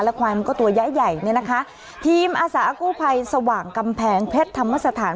ควายมันก็ตัวย้ายใหญ่เนี่ยนะคะทีมอาสากู้ภัยสว่างกำแพงเพชรธรรมสถาน